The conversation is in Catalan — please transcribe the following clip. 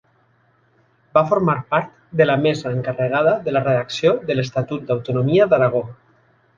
Va formar part de la mesa encarregada de la redacció de l'Estatut d'Autonomia d'Aragó.